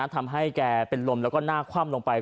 ทำให้แกเป็นลมแล้วก็หน้าคว่ำลงไป